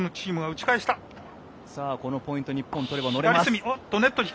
さあ、このポイント日本が取れば乗れます。